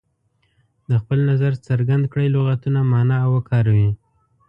د خپل نظر څرګند کړئ لغتونه معنا او وکاروي.